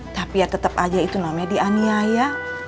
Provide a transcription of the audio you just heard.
tapi ya tetap aja itu namanya dianiaya